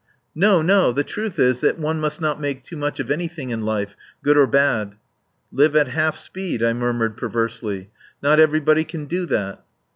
"No! No! The truth is that one must not make too much of anything in life, good or bad." "Live at half speed," I murmured perversely. "Not everybody can do that."